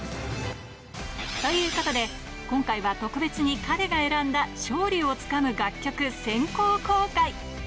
ということで、今回は特別に彼が選んだ勝利をつかむ楽曲先行公開。